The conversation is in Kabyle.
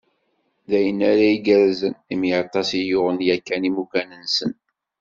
D ayen ara igerrzen, imi aṭas i yuɣen yakan imukan-nsen.